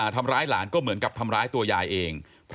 ทำร้ายหลานก็เหมือนกับทำร้ายตัวยายเอง